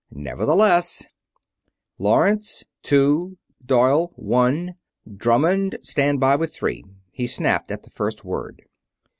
Nevertheless: "Lawrence two! Doyle one! Drummond stand by with three!" he snapped, at the first word.